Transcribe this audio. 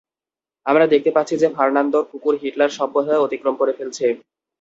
আমরা দেখতে পাচ্ছি যে ফার্নান্দোর কুকুর হিটলার সব বাঁধা অতিক্রম করে ফেলছে।